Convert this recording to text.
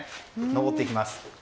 上っていきます。